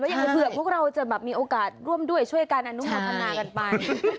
อย่างนั้นเผื่อพวกเราจะแบบมีโอกาสร่วมด้วยช่วยกันอนุโมทนากันไป